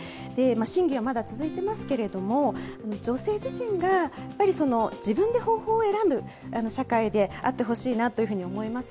審議はまだ続いていますけれども、女性自身がやっぱり、自分で方法を選ぶ社会であってほしいなというふうに思います。